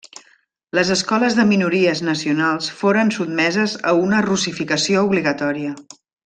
Les escoles de minories nacionals foren sotmeses a una russificació obligatòria.